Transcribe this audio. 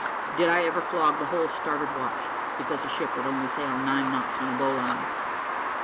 Did I ever flog the whole starboard watch, because the ship would only sail nine knots on a bowline!"